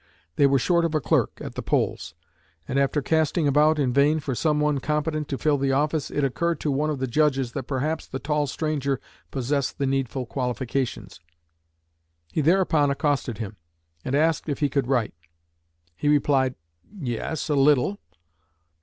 They were 'short of a clerk' at the polls; and, after casting about in vain for some one competent to fill the office, it occurred to one of the judges that perhaps the tall stranger possessed the needful qualifications. He thereupon accosted him, and asked if he could write. He replied, 'Yes, a little.'